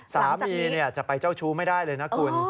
สามีจะไปเจ้าชู้ไม่ได้เลยนะคุณ